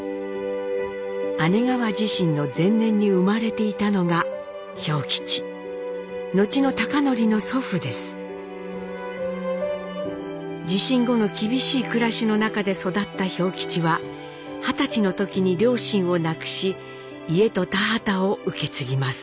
姉川地震の前年に生まれていたのが地震後の厳しい暮らしの中で育った兵吉は二十歳の時に両親を亡くし家と田畑を受け継ぎます。